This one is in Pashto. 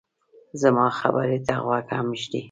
زما خبرې ته غوږ هم ږدې